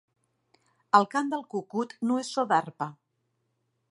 El cant del cucut no és so d'arpa.